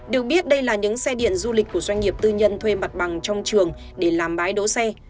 được biết đây là những xe điện du lịch của doanh nghiệp tư nhân thuê mặt bằng trong trường để làm bãi đỗ xe